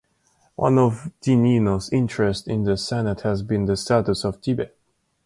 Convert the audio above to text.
One of Di Nino's interests in the Senate has been the status of Tibet.